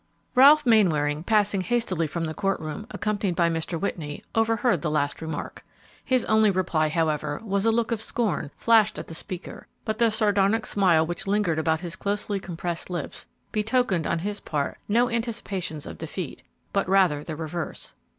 Ralph Mainwaring, passing hastily from the court room, accompanied by Mr. Whitney, overheard the last remark. His only reply, however, was a look of scorn flashed at the speaker, but the sardonic smile which lingered about his closely compressed lips betokened on his part no anticipations of defeat, but rather the reverse.